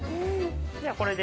じゃあこれで。